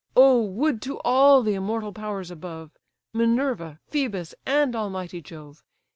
Oh! would to all the immortal powers above, Minerva, Phœbus, and almighty Jove!